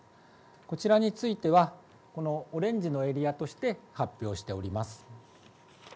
こちらについてはオレンジのエリアとして発表しております。